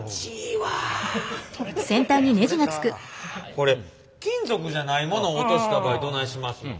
これ金属じゃないものを落とした場合どないしますの。